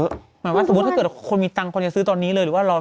หมายว่าสมมุติถ้าเกิดคนมีตังค์คนจะซื้อตอนนี้เลยหรือว่ารอ